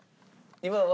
今は。